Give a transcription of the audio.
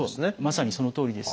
まさにそのとおりですね。